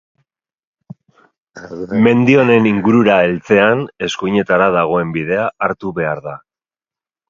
Mendi honen ingurura heltzean, eskuinetara dagoen bidea hartu behar da.